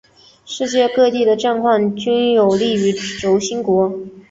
世界各地的战况均有利于轴心国。